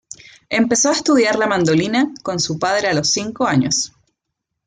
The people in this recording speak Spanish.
Empezó a estudiar la mandolina con su padre a los cinco años.